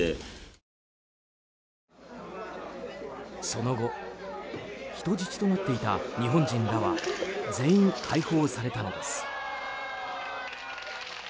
その後、人質となっていた日本人らは全員、解放されたのです。